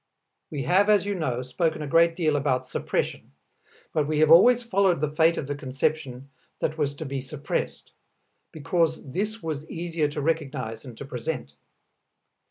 We have, as you know, spoken a great deal about suppression, but we have always followed the fate of the conception that was to be suppressed, because this was easier to recognize and to present.